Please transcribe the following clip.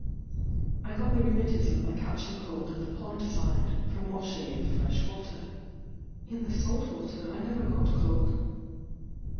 I got the rheumatism by catching cold at the pond side, from washing in the fresh water; in the salt water I never got cold.